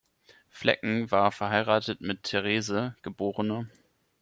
Flecken war verheiratet mit Therese, geb.